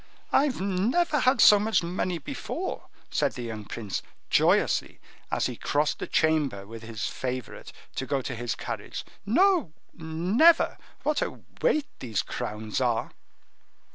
"I never had so much money before," said the young prince, joyously, as he crossed the chamber with his favorite to go to his carriage. "No, never! What a weight these crowns are!"